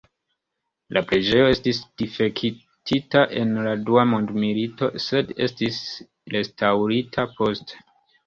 La preĝejo estis difektita en la dua mondmilito, sed estis restaŭrita poste.